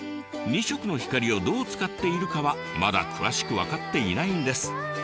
２色の光をどう使っているかはまだ詳しく分かっていないんです。